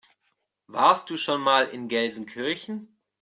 Warst du schon mal in Gelsenkirchen?